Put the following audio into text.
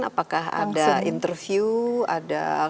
apakah ada interview ada